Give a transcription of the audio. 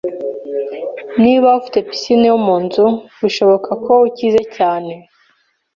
Niba ufite pisine yo mu nzu, birashoboka ko ukize cyane.